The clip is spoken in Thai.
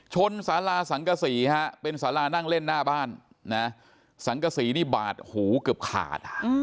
ชนสาราสังกษีฮะเป็นสารานั่งเล่นหน้าบ้านนะสังกษีนี่บาดหูเกือบขาด